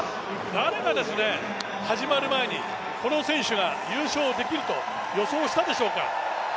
誰が始まる前にこの選手が優勝できると予想したでしょうか。